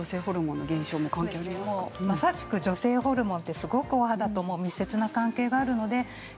まさしく女性ホルモンはお肌と密接に関係があります。